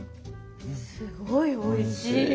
すごいおいしい。